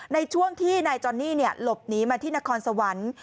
ในช่วงที่นายจอนนี่หลบหนีมาที่นครสวรรค์